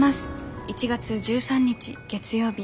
１月１３日月曜日。